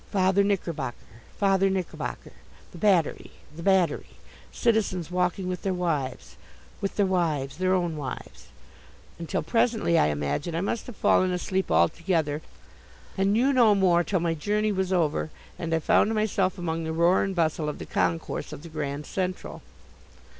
"Father Knickerbocker Father Knickerbocker the Battery the Battery citizens walking with their wives, with their wives their own wives" until presently, I imagine, I must have fallen asleep altogether and knew no more till my journey was over and I found myself among the roar and bustle of the concourse of the Grand Central.